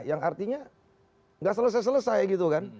yang artinya nggak selesai selesai gitu kan